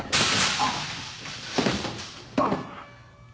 あっ！